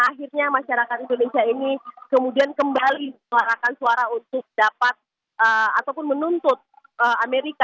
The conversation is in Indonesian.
akhirnya masyarakat indonesia ini kemudian kembali melarangkan suara untuk dapat ataupun menuntut amerika